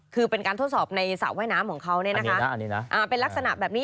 คือเป็นการทดสอบในสระว่ายน้ำของเขาเนี่ยนะคะเป็นลักษณะแบบนี้